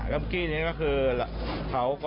กับกี้นี่ก็คือเขาก็